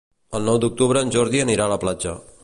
El nou d'octubre en Jordi anirà a la platja.